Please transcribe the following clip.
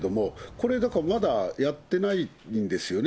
これ、まだやってないんですよね。